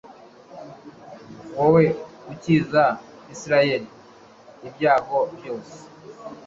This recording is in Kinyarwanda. wowe ukiza israheli ibyago byose